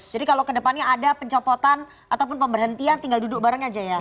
jadi kalau ke depannya ada pencopotan ataupun pemberhentian tinggal duduk bareng aja ya